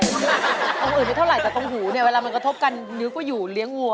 ตรงอื่นไม่เท่าไหร่แต่ตรงหูเนี่ยเวลามันกระทบกันนิ้วก็อยู่เลี้ยงวัว